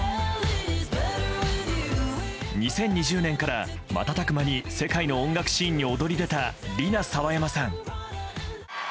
２０２０年からまたたく間に世界の音楽シーンに躍り出たリナ・サワヤマさん。